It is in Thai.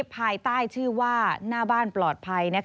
ภายใต้ชื่อว่าหน้าบ้านปลอดภัย